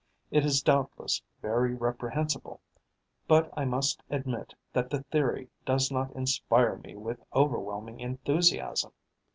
It is doubtless very reprehensible, but I must admit that the theory does not inspire me with overwhelming enthusiasm.